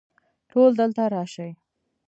ټول دلته راشئ